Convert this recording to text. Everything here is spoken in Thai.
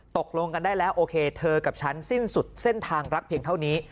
ตกลงกันได้แล้วโอเคเธอกับฉันสิ้นสุดเส้นทางรักเพียงเท่านี้